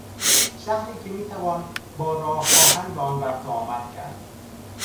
شهری که میتوان با راه آهن به آن رفت و آمد کرد.